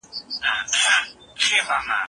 مرکزي کتابتون په پټه نه بدلیږي.